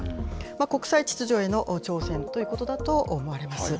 国際秩序への挑戦ということだと思われます。